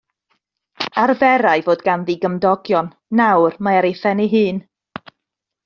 Arferai fod ganddi gymdogion, nawr mae ar ei phen ei hun.